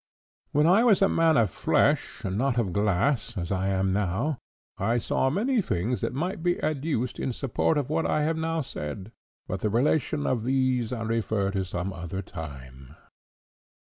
When I was a man of flesh, and not of glass, as I now am, I saw many things that might be adduced in support of what I have now said, but the relation of these I refer to some other time."